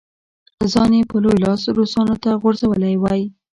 ځان یې په لوی لاس روسانو ته غورځولی وای.